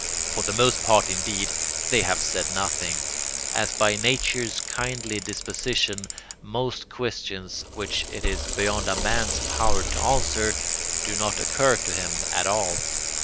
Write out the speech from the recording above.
For the most part, indeed, they have said nothing, as by nature's kindly disposition most questions which it is beyond a man's power to answer do not occur to him at all.